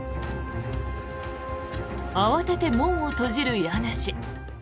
慌てて門を閉じる家主。